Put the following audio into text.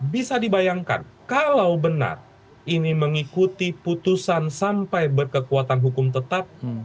bisa dibayangkan kalau benar ini mengikuti putusan sampai berkekuatan hukum tetap